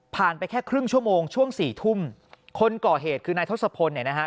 ไปแค่ครึ่งชั่วโมงช่วงสี่ทุ่มคนก่อเหตุคือนายทศพลเนี่ยนะฮะ